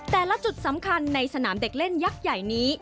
แต่ละจุดสำคัญในสนามเด็กเล่นยักษ์ใหญ่นี้